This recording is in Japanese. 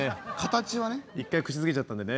１回口つけちゃったんでね。